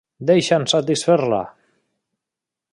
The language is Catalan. Deixa'ns satisfer-la.